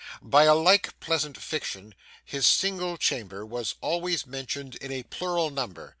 By a like pleasant fiction his single chamber was always mentioned in a plural number.